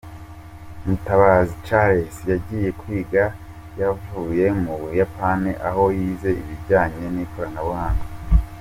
Mutabazi Charles yagiye kwiga yavuye mu Buyapani aho yize ibijyanye n'ikoranabuhanga.